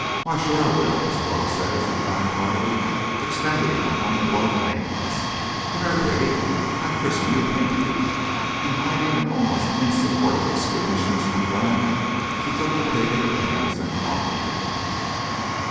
"Why, shore I will, as Flo says," replied Carley, extending her ungloved hands. "Come here, piggy. I christen you Pinky." And hiding an almost insupportable squeamishness from Glenn, she took the pig in her hands and fondled it.